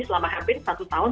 selama hampir satu tahun